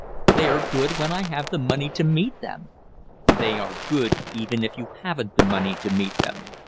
"They are good when I have the money to meet them." "They are good even if you haven't the money to meet them!